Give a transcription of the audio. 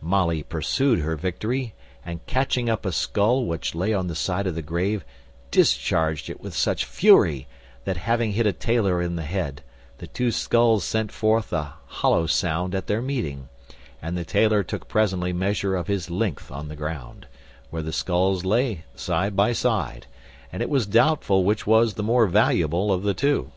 Molly pursued her victory, and catching up a skull which lay on the side of the grave, discharged it with such fury, that having hit a taylor on the head, the two skulls sent equally forth a hollow sound at their meeting, and the taylor took presently measure of his length on the ground, where the skulls lay side by side, and it was doubtful which was the more valuable of the two.